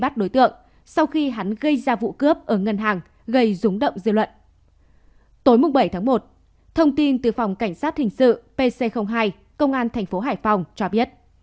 tối bảy tháng một thông tin từ phòng cảnh sát hình sự pc hai công an tp hải phòng cho biết